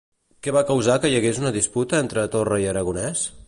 Què va causar que hi hagués una disputa entre Torra i Aragonès?